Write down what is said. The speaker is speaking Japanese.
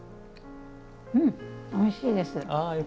おいしいです。